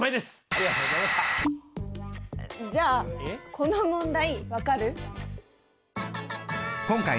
じゃあこの問題分かる？